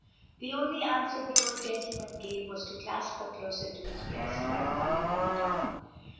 The only answer the old gentleman gave was to clasp her closer to his breast, while Polly hurried on.